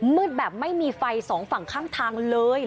มืดแบบไม่มีไฟสองฝั่งข้างทางเลย